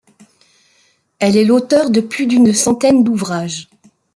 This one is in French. Elle est l'auteur de plus d'une centaine d'ouvrages.